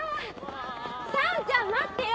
さんちゃん待ってよ！